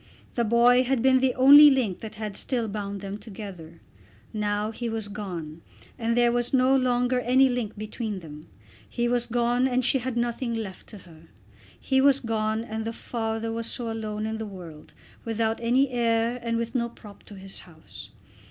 The boy had been the only link that had still bound them together. Now he was gone, and there was no longer any link between them. He was gone and she had nothing left to her. He was gone, and the father was also alone in the world, without any heir and with no prop to his house.